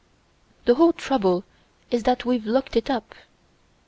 The whole trouble is that we've looked it up.